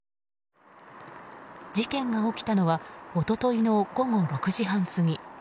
事件が起きたのは一昨日の午後６時半過ぎ。